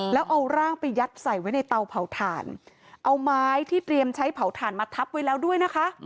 แล้วเอาร่างไปยัดใส่ไว้ในเตาเผาถ่านเอาไม้ที่เตรียมใช้เผาถ่านมาทับไว้แล้วด้วยนะคะ